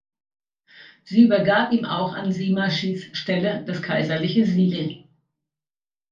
Sie übergab ihm auch an Sima Shis Stelle das Kaiserliche Siegel.